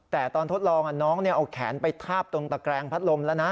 แต่ตอนทดลองน้องเอาแขนไปทาบตรงตะแกรงพัดลมแล้วนะ